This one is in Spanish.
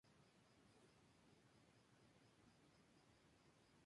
Operan gran cantidad de aerolíneas.